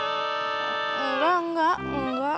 enggak enggak enggak